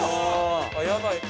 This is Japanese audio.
やばい。